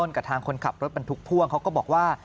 บึงต้นกระทางคนขับรถไปทุกพ่วงเขาก็บอกว่า